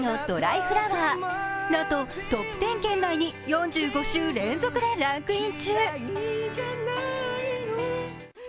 そしてトップ５はなんと、トップ１０圏内に４５週連続でランクイン。